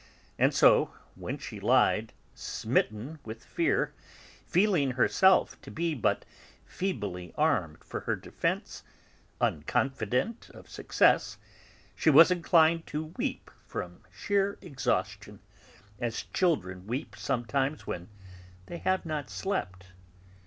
And so, when she lied, smitten with fear, feeling herself to be but feebly armed for her defence, unconfident of success, she was inclined to weep from sheer exhaustion, as children weep sometimes when they have not slept.